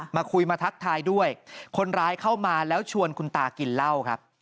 มาคุยมาทักทายด้วยคนร้ายเข้ามาแล้วชวนคุณตากินเหล้าครับ